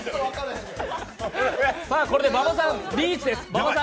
これで馬場さんリーチです。